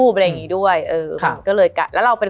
มันทำให้ชีวิตผู้มันไปไม่รอด